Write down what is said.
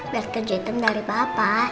biar kejutan dari bapak